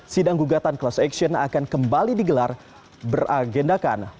sidang gugatan class action akan kembali digelar beragendakan